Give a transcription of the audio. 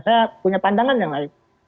saya punya pandangan yang lain